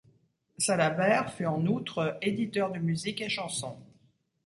Salabert fut, en outre, éditeur de musiques et chansons.